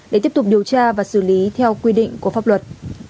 để tiếp tục điều tra và xử lý theo quy định của pháp luật